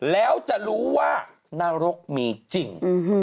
แล้วจะรู้ว่านรกมีจริง